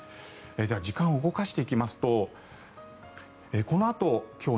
では、時間を動かしていきますとこのあと、今日